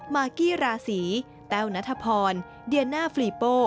มากกี้ราศีแต้วนัทพรเดียน่าฟรีโป้